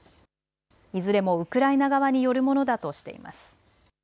いずれもウクライナ側によるものだとしています。